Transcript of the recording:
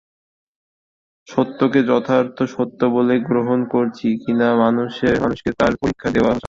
সত্যকে যথার্থ সত্য বলেই গ্রহণ করছি কি না মানুষকে তার পরীক্ষা দেওয়া চাই।